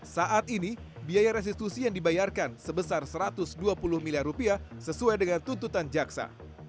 saat ini biaya restitusi yang dibayarkan sebesar rp satu ratus dua puluh miliar rupiah sesuai dengan tuntutan jaksa